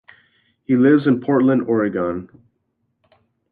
He lives in Portland, Oregon.